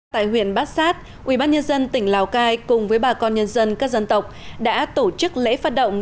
tại huyện bát sát ubnd tỉnh lào cai cùng với bà con nhân dân các dân tộc đã tổ chức lễ phát động